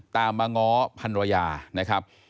ตามมาง้อพันรยานะครับ